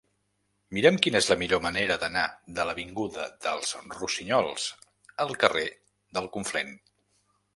Mira'm quina és la millor manera d'anar de l'avinguda dels Rossinyols al carrer del Conflent.